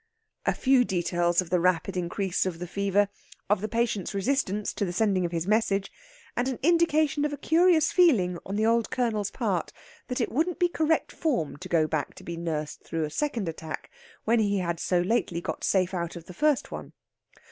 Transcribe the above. A few details of the rapid increase of the fever, of the patient's resistance to the sending of his message, and an indication of a curious feeling on the old Colonel's part that it wouldn't be correct form to go back to be nursed through a second attack when he had so lately got safe out of the first one.